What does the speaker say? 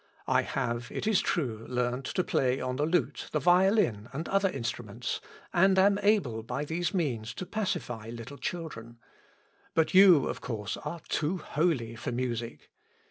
I have, it is true, learned to play on the lute, the violin, and other instruments, and am able by these means to pacify little children; but you of course are too holy for music.